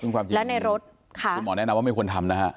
คุณหมอแนะนำว่าไม่ควรทำนะฮะ